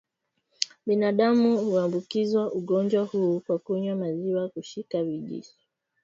Binadamu huambukizwa ugonjwa huu kwa kunywa maziwa kushika vijusi na utando wake